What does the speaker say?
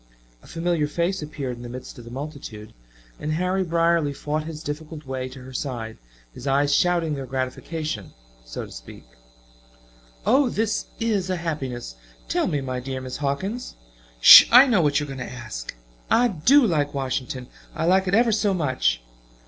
A familiar face appeared in the midst of the multitude and Harry Brierly fought his difficult way to her side, his eyes shouting their gratification, so to speak: "Oh, this is a happiness! Tell me, my dear Miss Hawkins " "Sh! I know what you are going to ask. I do like Washington I like it ever so much!"